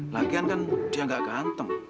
lagian kan dia nggak ganteng